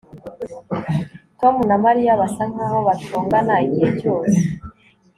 Tom na Mariya basa nkaho batongana igihe cyose